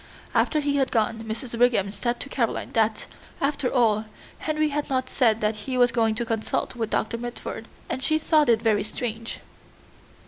After he had gone, Mrs. Brigham said to Caroline that, after all, Henry had not said that he was going to consult with Doctor Mitford, and she thought it very strange.